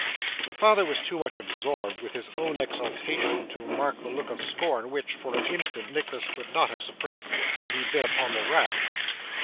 The father was too much absorbed with his own exultation to mark the look of scorn which, for an instant, Nicholas could not have suppressed had he been upon the rack.